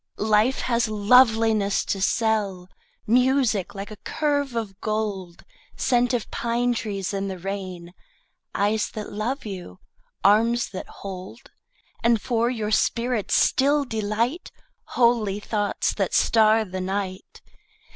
Life has loveliness to sell, Music like a curve of gold, Scent of pine trees in the rain, Eyes that love you, arms that hold, And for your spirit's still delight, Holy thoughts that star the night.